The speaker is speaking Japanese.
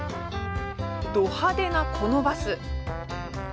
ど派手な、このバス。